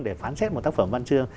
để phán xét một tác phẩm văn chương